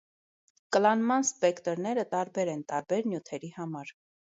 Կլանման սպեկտրները տարբեր են տարբեր նյութերի համար։